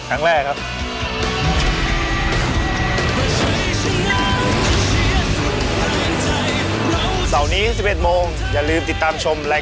ครั้งแรกด้วย